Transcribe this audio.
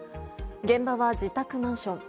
現場は自宅マンション。